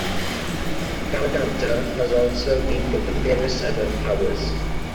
Garganta has also been given various other powers.